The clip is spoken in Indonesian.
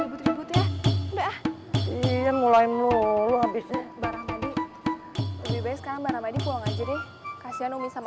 udah mulai melulu habisnya barang tadi lebih baik sekarang barang aja deh kasian umi sama